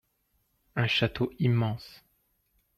Un château immense.